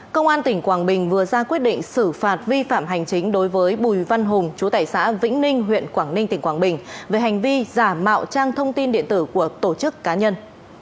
công an tỉnh quảng bình vừa ra quyết định xử phạt vi phạm hành chính đối với bùi văn hùng chú tải xã vĩnh ninh huyện quảng ninh tỉnh quảng bình về hành vi giả mạo trang thông tin điện tử của tổ chức cá nhân